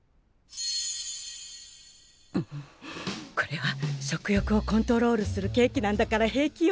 んこれは食欲をコントロールするケーキなんだから平気よ。